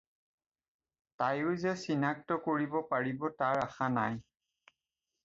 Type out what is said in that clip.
তায়ো যে চিনাক্ত কৰিব পাৰিব তাৰ আশা নাই।